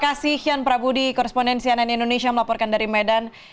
terima kasih hian prabudi korespondensi ann indonesia melaporkan dari medan